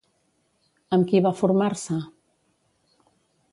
Amb qui va formar-se?